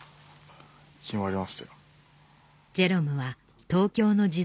決まりましたよ。